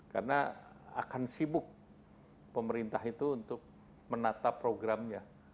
karena akan sibuk pemerintah itu untuk menata programnya